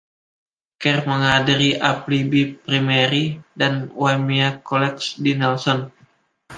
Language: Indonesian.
Kerr menghadiri Appleby Primary dan Waimea College di Nelson.